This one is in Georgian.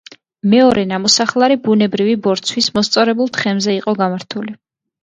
მეორე ნამოსახლარი ბუნებრივი ბორცვის მოსწორებულ თხემზე იყო გამართული.